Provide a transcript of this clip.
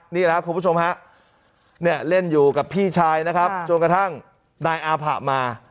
นี่แหละครับคุณผู้ชมฮะเนี่ยเล่นอยู่กับพี่ชายนะครับจนกระทั่งนายอาผะมา